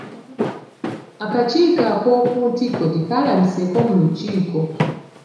Akakiiko akokuntikko tekaalabiseeko mu lukiiko.